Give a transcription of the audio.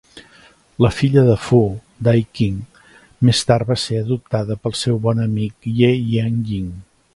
La filla de Fu, Dai Qing, més tard va ser adoptada pel seu bon amic Ye Jianying.